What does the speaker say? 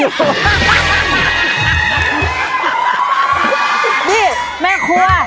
นี่แม่ครัว